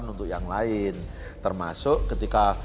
membuat kepentingan yang diperlukan adalah